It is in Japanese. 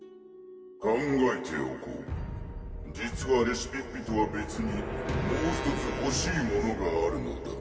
「考えておこう」「実はレシピッピとは別にもう１つほしいものがあるのだ」